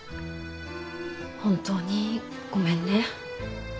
本当にごめんね。